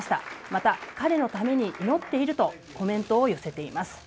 また、彼のために祈っているとコメントを寄せています。